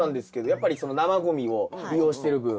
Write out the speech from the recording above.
やっぱりその生ごみを利用してる分。